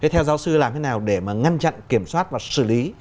theo giáo sư làm thế nào để mà ngăn chặn kiểm soát và xử lý